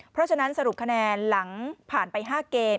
เพราะฉะนั้นสรุปคะแนนหลังผ่านไป๕เกม